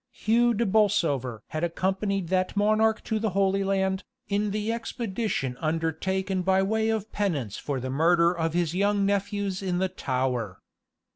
Hugh de Bolsover had accompanied that monarch to the Holy Land, in the expedition undertaken by way of penance for the murder of his young nephews in the Tower.